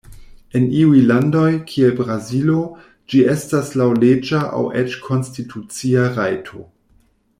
En iuj landoj, kiel Brazilo, ĝi estas laŭleĝa aŭ eĉ konstitucia rajto.